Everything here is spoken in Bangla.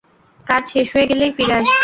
কাজ শেষ হয়ে গেলেই ফিরে আসব।